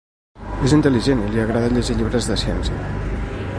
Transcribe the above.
És intel·ligent i li agrada llegir llibres de ciència.